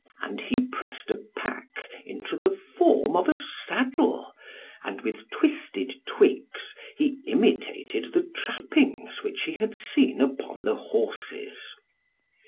And he pressed a pack into the form of a saddle, and with twisted twigs he imitated the trappings which he had seen upon the horses.